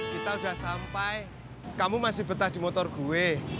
kita sudah sampai kamu masih betah di motor gue